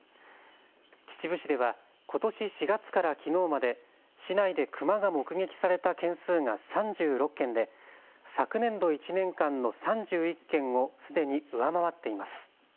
秩父市ではことし４月からきのうまで市内でクマが目撃された件数が３６件で昨年度１年間の３１件をすでに上回っています。